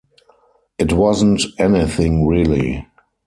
It wasn't anything really.